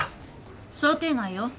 想定内よ。